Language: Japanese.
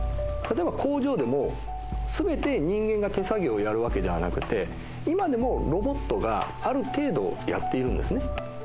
例えば工場でも全て人間が手作業やるわけではなくて今でもロボットがある程度やっているんですね。